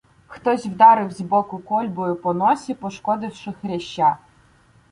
Хтось вдарив збоку кольбою по носі, пошкодивши хряща.